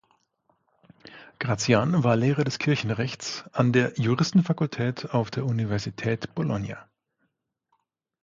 Gratian war Lehrer des Kirchenrechts an der Juristenfakultät auf der Universität Bologna.